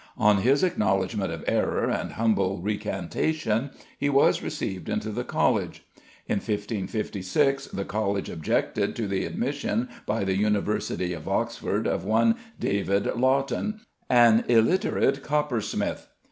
On his acknowledgment of error and humble recantation he was received into the College. In 1556 the College objected to the admission by the University of Oxford of one David Laughton, an illiterate coppersmith.